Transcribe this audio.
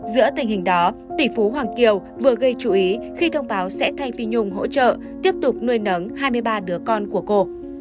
giữa tình hình đó tỷ phú hoàng kiều vừa gây chú ý khi thông báo sẽ thay phi nhung hỗ trợ tiếp tục nuôi nấng hai mươi ba đứa con của cô